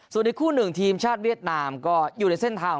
ส่วนอีกคู่หนึ่งทีมชาติเวียดนามก็อยู่ในเส้นทาง